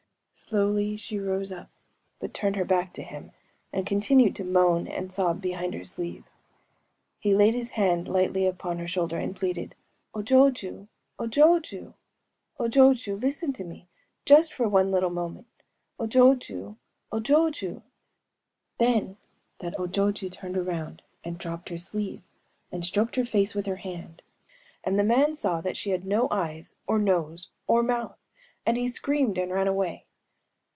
‚ÄĚ Slowly she rose up, but turned her back to him, and continued to moan and sob behind her sleeve. He laid his hand lightly upon her shoulder, and pleaded:‚ÄĒ‚ÄúO jochŇę!‚ÄĒO jochŇę!‚ÄĒO jochŇę!... Listen to me, just for one little moment!... O jochŇę!‚ÄĒO jochŇę!‚ÄĚ... Then that O jochŇę turned around, and dropped her sleeve, and stroked her face with her hand;‚ÄĒand the man saw that she had no eyes or nose or mouth,‚ÄĒand he screamed and ran away.